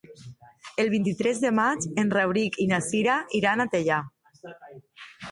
El vint-i-tres de maig en Rauric i na Cira iran a Teià.